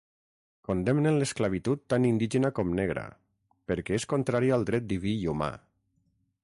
Condemnen l'esclavitud tant indígena com negra, perquè és contrària al dret diví i humà.